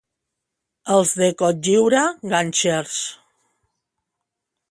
Els de Cotlliure, ganxers.